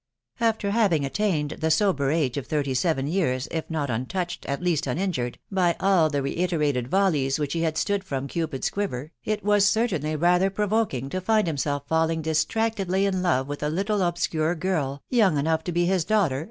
After having attained the sober age of thirty seven years, if not untouched, at least uninjured, by all the reiterated volleys which he had stood from Cupid's quiver, it was cer tainly rather provoking to find himself falling distractedly in love with a little obscure girl, young enough to be his daughter